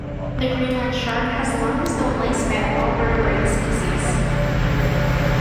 The Greenland shark has the longest known lifespan of all vertebrate species.